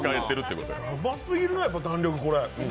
うますぎるな、弾力これ。